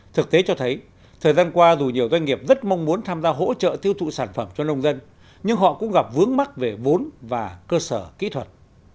thực tế cho thấy thời gian qua dù nhiều doanh nghiệp rất mong muốn tham gia hỗ trợ tiêu thụ sản phẩm cho nông dân nhưng họ cũng gặp vướng mắt về vốn và cơ sở kỹ thuật